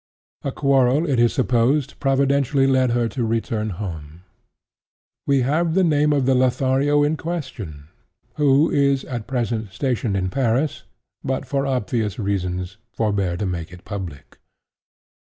A quarrel, it is supposed, providentially led to her return home. We have the name of the Lothario in question, who is, at present, stationed in Paris, but, for obvious reasons, forbear to make it public."